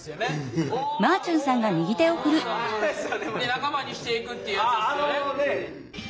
仲間にしていくっていうやつですよね？